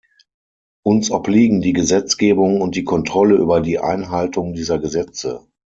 Uns obliegen die Gesetzgebung und die Kontrolle über die Einhaltung dieser Gesetze.